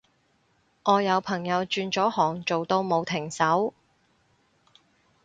我有朋友轉咗行做到冇停手